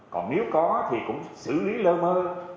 còn nếu có thì cũng xử lý lơ mơ